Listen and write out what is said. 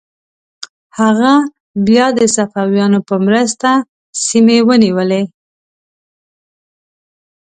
هغه بیا د صفویانو په مرسته سیمې ونیولې.